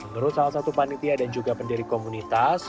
menurut salah satu panitia dan juga pendiri komunitas